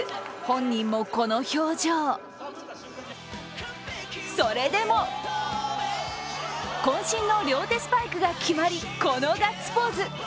本人もこの表情、それでもこん身の両手スパイクが決まりこのガッツポーズ。